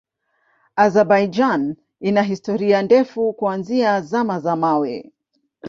Azerbaijan ina historia ndefu kuanzia Zama za Mawe.